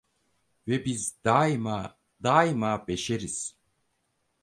Ve biz daima, daima beşeriz.